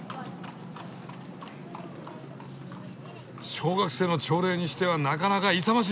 小学生の朝礼にしてはなかなか勇ましい！